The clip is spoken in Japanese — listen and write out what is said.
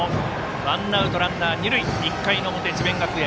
ワンアウト、ランナー、二塁１回表、智弁学園。